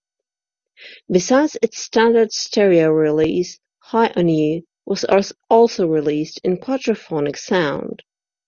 Besides its standard stereo release, "High on You" was also released in quadraphonic sound.